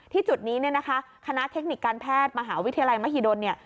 จุดนี้เนี่ยนะคะคณะเทคนิคการแพทย์มหาวิทยาลัยมหิดลเนี่ย